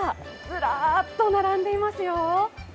ずらっと並んでいますよ。